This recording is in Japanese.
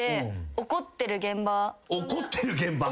「怒ってる現場」